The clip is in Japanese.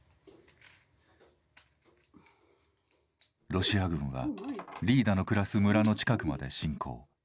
ロシア軍はリーダの暮らす村の近くまで侵攻。